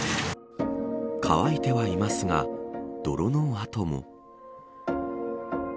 乾いてはいますが泥の跡も。